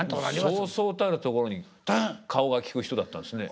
そうそうたるところに顔が利く人だったんですね。